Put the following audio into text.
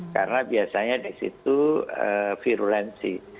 karena biasanya di situ virulensi